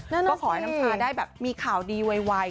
ก็ขอให้น้ำชาได้แบบมีข่าวดีไว